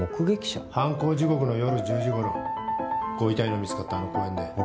犯行時刻の夜１０時ごろご遺体の見つかったあの公園で。